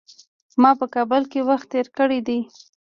ما په کابل کي وخت تېر کړی دی .